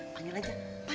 panggil aja macan